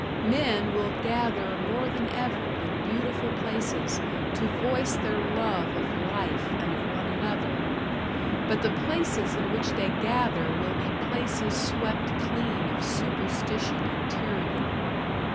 Men will gather more than ever in beautiful places to voice their love of life and of one another; but the places in which they gather will be places swept clean of superstition and tyranny.